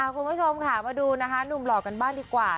คุณผู้ชมค่ะมาดูนะคะหนุ่มหล่อกันบ้างดีกว่า